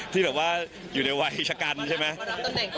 ที่แบบว่าอยู่ในวัยชะกันใช่ไหม